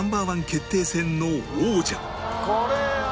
決定戦の王者